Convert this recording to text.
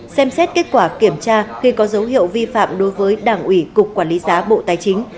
xem xét kết quả kiểm tra khi có dấu hiệu vi phạm đối với đảng ủy cục quản lý giá bộ tài chính